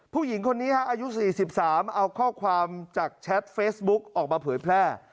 ผู้หญิงคนนี้อายุ๔๓เอาข้อความจากแชทเฟซบุ๊กออกมาเผยแพร่